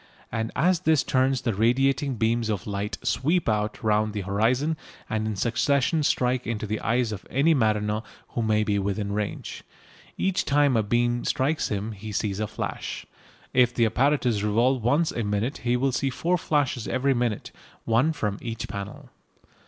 And as this turns the radiating beams of light sweep round the horizon and in succession strike into the eyes of any mariner who may be within range. Each time a beam strikes him he sees a flash. If the apparatus revolve once a minute he will see four flashes every minute, one from each panel.